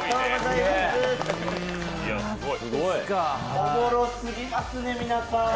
おもろすぎますね、皆さん。